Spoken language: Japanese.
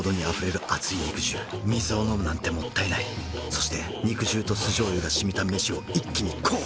そして肉汁と酢醤油がしみた飯を一気にこう！